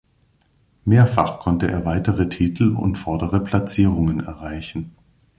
Mehrfach konnte er weitere Titel und vordere Platzierungen erreichen.